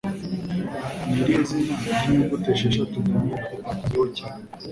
Ni irihe zina ry'inyuguti esheshatu Daniel Hooper azwiho cyane?